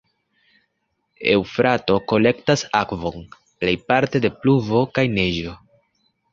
Eŭfrato kolektas akvon plejparte de pluvo kaj neĝo.